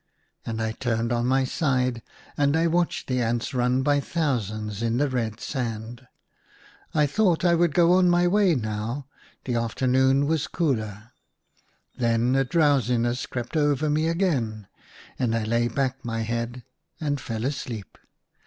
And I turned on my side, and I watched the ants run by thousands in the red sand. I thought I would go on my way now — the afternoon was cooler. Then a drowsiness crept over me again, and I laid back my head and fell asleep.